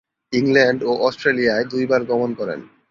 England ও অস্ট্রেলিয়ায় দুইবার গমন করেন।